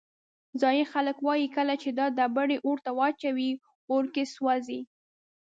ځایی خلک وایي کله چې دا ډبرې اور ته واچوې په اور کې سوځي.